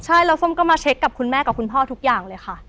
ใช่แล้วส้มก็มาเช็คกับคุณแม่กับคุณพ่อทุกอย่างเลยค่ะ